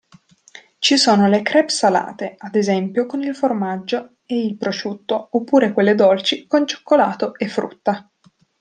Ci sono le crêpe salate, ad esempio con il formaggio e il prosciutto, oppure quelle dolci, con cioccolato e frutta.